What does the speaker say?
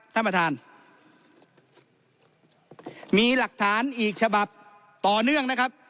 ท่านประธานมีหลักฐานอีกฉบับต่อเนื่องนะครับ